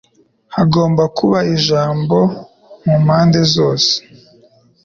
Hagomba kuba ijambo mu mpande zose